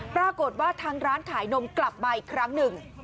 ปรากฏว่าทางร้านขายนมกลับมาอีกครั้งหนึ่ง